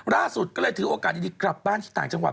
ล่าสุดก็เลยถือโอกาสดีกลับบ้านที่ต่างจังหวัด